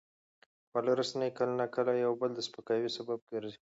خواله رسنۍ کله ناکله د یو بل د سپکاوي سبب ګرځي.